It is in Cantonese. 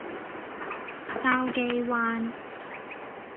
筲箕灣